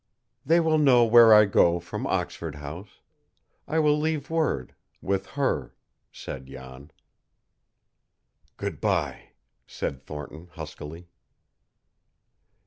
"They will know where I go from Oxford House. I will leave word with HER," said Jan. "Good by," said Thornton huskily.